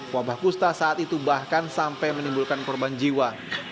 wabah kusta saat itu bahkan sampai menimbulkan korban jiwa